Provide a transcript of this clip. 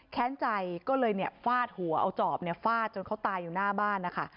แค้นใจก็เลยเนี่ยฟาดหัวเอาจอบเนี่ยฟาดจนเขาตายอยู่หน้าบ้านนะคะ